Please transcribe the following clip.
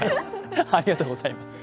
ありがとうございます。